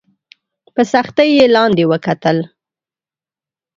په سختۍ یې لاندي وکتل !